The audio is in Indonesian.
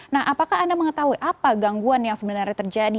nah apakah anda mengetahui apa gangguan yang sebenarnya terjadi